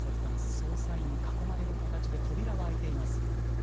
捜査員に囲まれる形で扉は開いています。